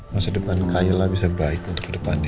masa depan kayla bisa baik untuk ke depannya